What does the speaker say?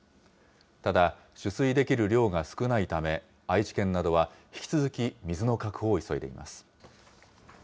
ただ、取水できる量が少ないため、愛知県などは引き続き、水の確保を急いでいます。